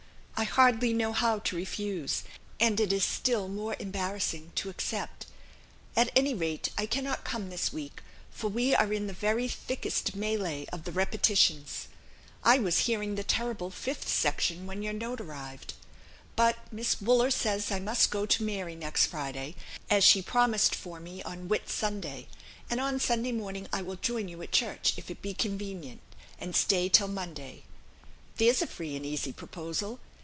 I hardly know how to refuse, and it is still more embarrassing to accept. At any rate, I cannot come this week, for we are in the very thickest melee of the Repetitions. I was hearing the terrible fifth section when your note arrived. But Miss Wooler says I must go to Mary next Friday, as she promised for me on Whit Sunday; and on Sunday morning I will join you at church, if it be convenient, and stay till Monday. There's a free and easy proposal!